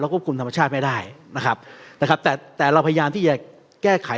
พวกคุณธรรมชาติไม่ได้นะครับแต่เราพยายามที่จะแก้ไข